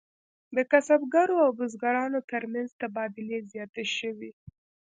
د کسبګرو او بزګرانو ترمنځ تبادلې زیاتې شوې.